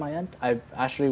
usaha di akhir akhir saya